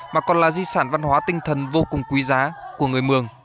mà còn là di sản văn hóa tinh thần vô cùng quý giá của người mường